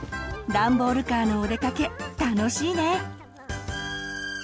ダンボールカーのお出かけ楽しいね。